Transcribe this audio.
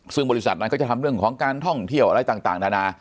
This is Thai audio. ซึ่งบริษัทนั้นก็จะทำเรื่องของการท่องเที่ยวอะไรต่างนานา